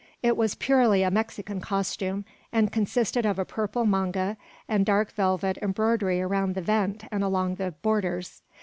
It was purely a Mexican costume, and consisted of a purple manga, with dark velvet embroidery around the vent and along the borders.